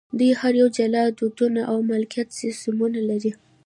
دوی هر یو جلا دودونه او مالکیت سیستمونه لري.